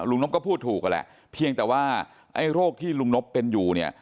ว่าไม่ถูกอ่ะแหละเพียงแต่ว่าอะยโรคที่ลุงนบเป็นอยู่นะ